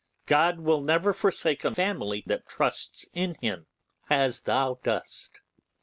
God will never forsake a family that trust in Him as thou dost.